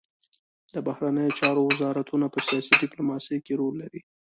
د بهرنیو چارو وزارتونه په سیاسي ډیپلوماسي کې رول لري